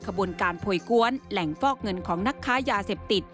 ขบวนการโพยกวนแหล่งฟอกเงินของนักค้ายาเสพติด